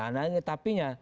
nah tapi nya